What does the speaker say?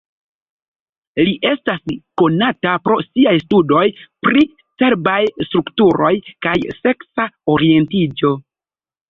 Li estas konata pro siaj studoj pri cerbaj strukturoj kaj seksa orientiĝo.